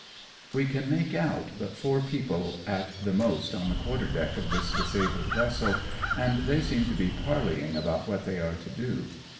We can make out but four people at the most on the quarter deck of this disabled vessel, and they seem to be parleying about what they are to do.